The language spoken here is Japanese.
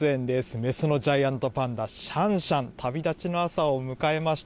雌のジャイアントパンダ、シャンシャン、旅立ちの朝を迎えました。